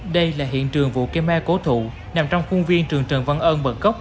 đây là hiện trường vụ kế me cố thụ nằm trong khuôn viên trường trần văn ơn bật gốc